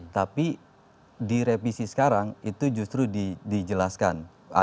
tapi di revisi sekarang itu justru dijelaskan